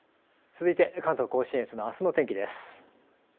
続いて関東甲信越のあすの天気です。